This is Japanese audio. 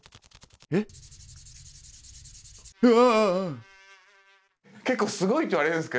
えっ？うわ！